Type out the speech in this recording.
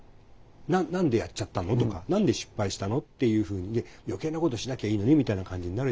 「何でやっちゃったの？」とか「何で失敗したの？」っていうふうにね余計なことしなきゃいいのにみたいな感じになるじゃないですか。